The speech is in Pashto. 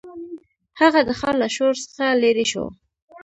هغه د ښار له شور څخه لیرې شو.